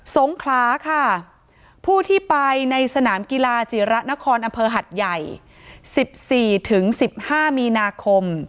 สงคราค่ะผู้ที่ไปในสนามกีฬาจีระนครอเผอร์หัดใหญ่สิบสี่ถึงสิบห้ามีนาคม